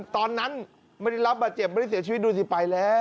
ตอนนั้นไม่ได้รับบาดเจ็บไม่ได้เสียชีวิตดูสิไปแล้ว